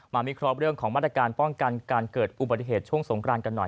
วิเคราะห์เรื่องของมาตรการป้องกันการเกิดอุบัติเหตุช่วงสงกรานกันหน่อย